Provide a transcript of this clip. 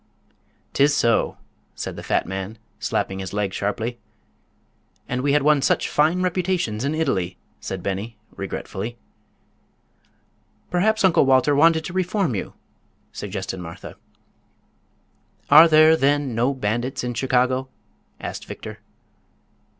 "'Tis so!" said the fat man, slapping his leg sharply. "And we had won such fine reputations in Italy!" said Beni, regretfully. "Perhaps Uncle Walter wanted to reform you," suggested Martha. "Are there, then, no bandits in Chicago?" asked Victor.